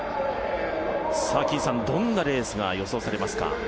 どんなレースが予想されますか？